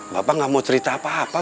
bapak gak mau cerita apa apa